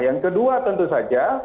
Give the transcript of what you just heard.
yang kedua tentu saja